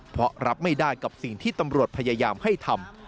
เพราะรับไม่ได้กับสิ่งที่ตำรวจพยายามให้ทำ